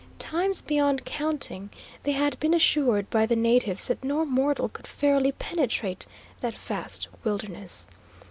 Times beyond counting they had been assured by the natives that no mortal could fairly penetrate that vast wilderness.